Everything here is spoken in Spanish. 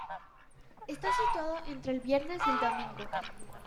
Está situado entre el viernes y el domingo.